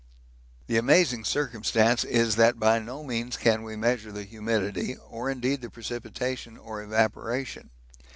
The amazing circumstance is that by no means can we measure the humidity, or indeed the precipitation or evaporation.